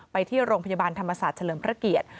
ไปที่โรงพยาบาลธรรมศาสตร์เฉลิมพระเกียรติ